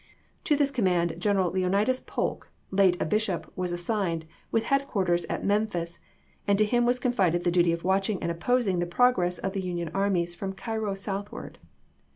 To this command General Leonidas Polk, late a bishop, was assigned, with headquarters at Mem phis, and to him was confided the duty of watch ing and opposing the progress of the Union armies from Cairo southward.